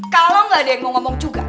kalo gak ada yang mau ngomong juga